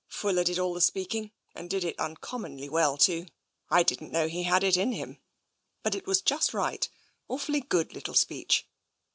" Fuller did all the speaking, and did it uncommonly well, too. I didn't know he had it in him, but it was just right — awfully good little speech.